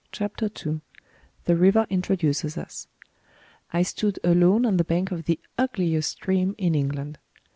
CHAPTER II THE RIVER INTRODUCES US I stood alone on the bank of the ugliest stream in England.